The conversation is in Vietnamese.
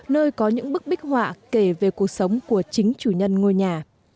nơi có những bức bích họa kể về cuộc sống của chính chủ nhân ngôi nhà